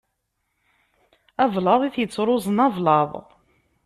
Ablaḍ i t-yettruẓen ablaḍ.